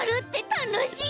たのしい！